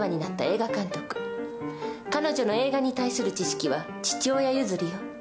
彼女の映画に対する知識は父親譲りよ。